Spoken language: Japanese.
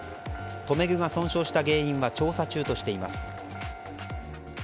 留め具が損傷した原因は調査中としています。